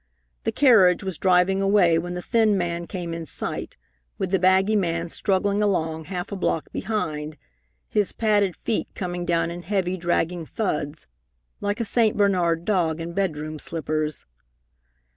The carriage was driving away when the thin man came in sight, with the baggy man struggling along half a block behind, his padded feet coming down in heavy, dragging thuds, like a St. Bernard dog in bedroom slippers.